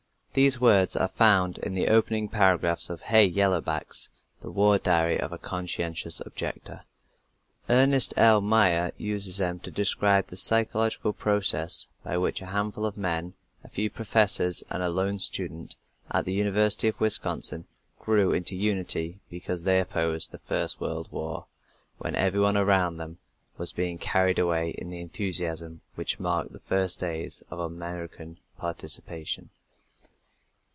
These words are found in the opening paragraphs of "Hey! Yellowbacks!" The War Diary of a Conscientious Objector. Ernest L Meyer uses them to describe the psychological process by which a handful of men a few professors and a lone student at the University of Wisconsin grew into unity because they opposed the First World War, when everyone around them was being carried away in the enthusiasm which marked the first days of American participation.